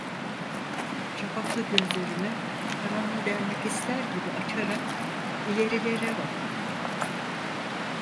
Çapaklı gözlerini karanlığı delmek ister gibi açarak ilerilere baktı.